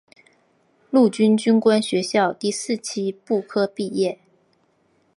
陆军军官学校第四期步科毕业。